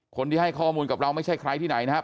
คนที่ให้ข้อมูลกับเราไม่ใช่ใครที่ไหนนะครับ